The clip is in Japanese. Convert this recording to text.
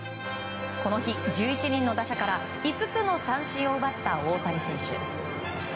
この日、１１人の打者から５つの三振を奪った大谷選手。